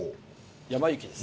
やま幸です。